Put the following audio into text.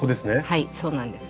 はいそうなんです。